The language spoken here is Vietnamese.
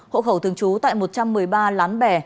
hộ khẩu thường trú tại một trăm một mươi ba lán bè